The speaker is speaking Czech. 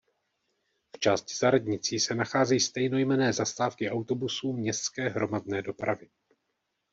V části za radnicí se nachází stejnojmenné zastávky autobusů městské hromadné dopravy.